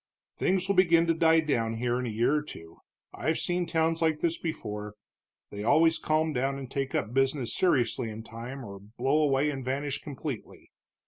"Things will begin to die down here in a year or two I've seen towns like this before, they always calm down and take up business seriously in time, or blow away and vanish completely.